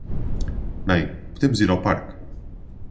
Mãe podemos ir ao parque?